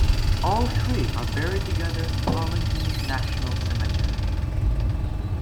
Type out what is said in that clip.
All three are buried together in Arlington National Cemetery.